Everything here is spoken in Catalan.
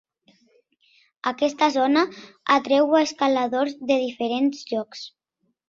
Aquesta zona atreu escaladors de diferents llocs.